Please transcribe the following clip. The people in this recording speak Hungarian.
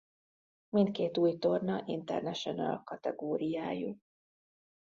Mindkét új torna International kategóriájú.